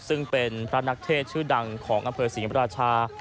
ซึ่งเป็นพระนักเทศชื่อดังของอำเภอศรีมราชา